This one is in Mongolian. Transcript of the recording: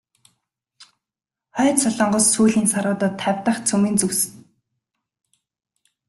Хойд Солонгос сүүлийн саруудад тав дахь цөмийн туршилтаа хийж, пуужингийн технологио сайжруулах сорилт явуулсан.